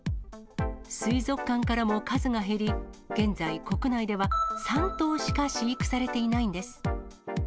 水族館からも数が減り、現在、国内では３頭しか飼育されていないんです。